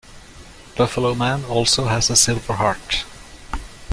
"Buffalo Man" also has a silver heart.